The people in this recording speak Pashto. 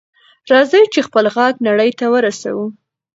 راځئ چې خپل غږ نړۍ ته ورسوو.